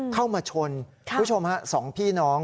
เข้ามาชนคุณผู้ชมฮะสองพี่น้อง